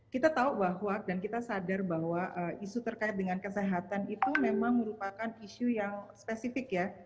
kita tahu bahwa dan kita sadar bahwa isu terkait dengan kesehatan itu memang merupakan isu yang spesifik ya